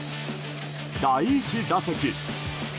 第１打席。